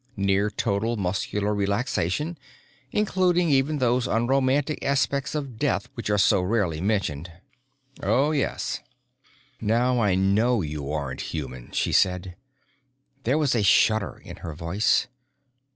Near total muscular relaxation, including even those unromantic aspects of death which are so rarely mentioned. Oh yes." "Now I know you aren't human," she said. There was a shudder in her voice.